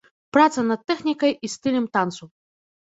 Праца над тэхнікай і стылем танцу.